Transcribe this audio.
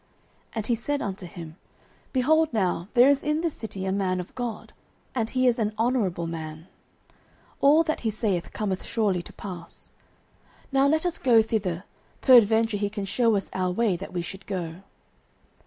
09:009:006 And he said unto him, Behold now, there is in this city a man of God, and he is an honourable man; all that he saith cometh surely to pass: now let us go thither; peradventure he can shew us our way that we should go.